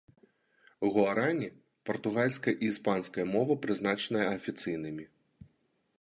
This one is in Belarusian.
Гуарані, партугальская і іспанская мовы прызнаныя афіцыйнымі.